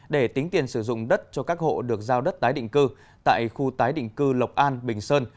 để tính tiền sử dụng đất cho các hộ được giao đất tái định cư tại khu tái định cư lộc an bình sơn